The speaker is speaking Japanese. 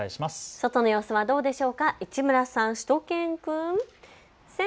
外の様子はどうでしょうか、市村さん、しゅと犬くん。